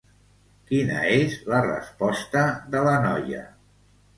Quina és la resposta de la noia?